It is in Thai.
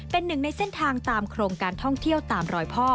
เป็นหนึ่งในเส้นทางตามโครงการท่องเที่ยวตามรอยพ่อ